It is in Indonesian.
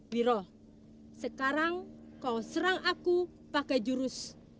biro sekarang kau serang aku pakai jurus